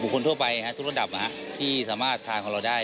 คนทั่วไปทุกระดับที่สามารถทานของเราได้